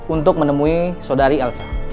untuk menemui saudari elsa